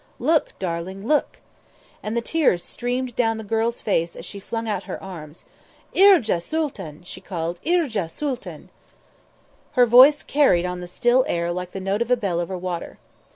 "Look, darling; look!" And the tears streamed down the girl's face as she flung out her arms. "Irja Sooltan!" she called. "Irja Sooltan!" Her voice carried on the still air like the note of a bell over water.